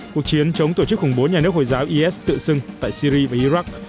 cuộc chiến chống tổ chức khủng bố nhà nước hồi giáo is tựa sưng tại syri và iraq